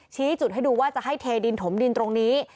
ชี้จุดให้ดูว่าจะให้เทดินถมดินตรงนี้